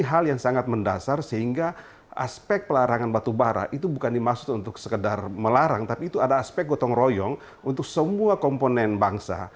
hal yang sangat mendasar sehingga aspek pelarangan batu bara itu bukan dimaksud untuk sekedar melarang tapi itu ada aspek gotong royong untuk semua komponen bangsa